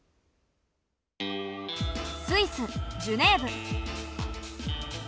スイス・ジュネーブ。